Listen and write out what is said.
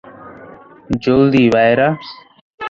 জলদি, ভায়েরা!